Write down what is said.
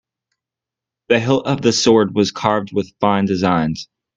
The hilt of the sword was carved with fine designs.